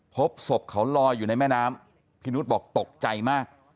พบศพเขาลอยอยู่ในแม่น้ำพี่นุษย์บอกตกใจมาก